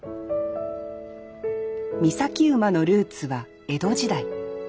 岬馬のルーツは江戸時代。